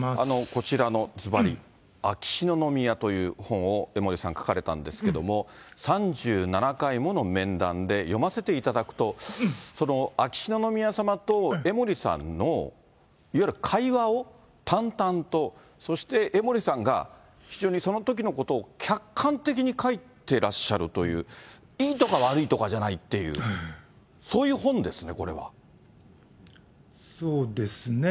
こちらのずばり、秋篠宮という本を江森さん書かれたんですけれども、３７回もの面談で、読ませていただくと、秋篠宮さまと江森さんのいわゆる会話を淡々と、そして江森さんが非常にそのときのことを客観的に書いてらっしゃるという、いいとか悪いとかじゃないっていう、そういう本ですね、そうですね。